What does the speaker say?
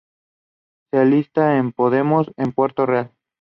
Se alista en Podemos, en Puerto Real.